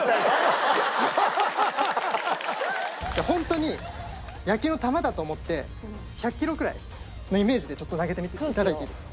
じゃあ本当に野球の球だと思って１００キロくらいのイメージでちょっと投げてみていただいていいですか？